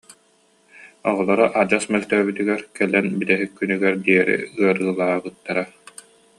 Оҕолоро адьас мөлтөөбүтүгэр кэлэн бүтэһик күнүгэр диэри ыарыылаабыттара